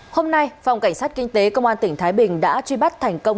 hôm nay phòng cảnh sát kinh tế công an tỉnh thái bình đã truy bắt thành công